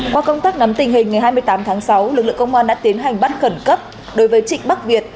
qua công tác nắm tình hình ngày hai mươi tám tháng sáu lực lượng công an đã tiến hành bắt khẩn cấp đối với trịnh bắc việt